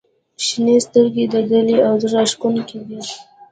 • شنې سترګې د دلې او زړه راښکونکې دي.